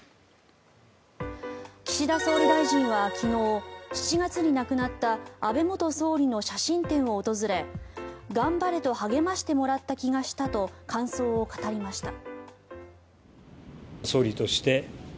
岸田総理大臣は昨日７月に亡くなった安倍元総理の写真展を訪れ頑張れと励ましてもらった気がしたと感想を語りました。